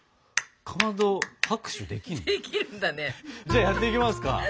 じゃあやっていきますか。